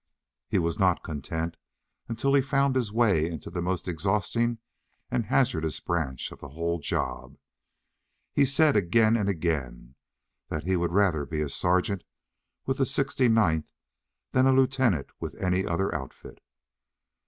He was not content until he had found his way into the most exhausting and hazardous branch of the whole job. He said, again and again, that he would rather be a sergeant with the 69th than a lieutenant with any other outfit.